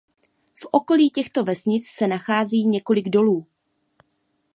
V okolí těchto vesnic se nachází několik dolů.